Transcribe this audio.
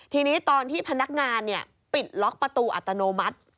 ทีนี้ตอนที่พนักงานปิดล็อกประตูอัตโนมัติ